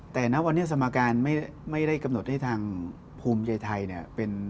แต่นับวันสมาการไม่ได้กำหนดให้ทางผูมใจไทย